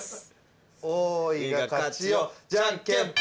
多いが勝ちよじゃんけんぽん。